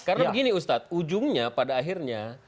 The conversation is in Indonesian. karena begini ustadz ujungnya pada akhirnya